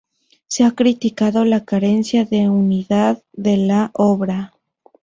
Se ha criticado la carencia de unidad de la obra.